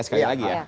sekali lagi ya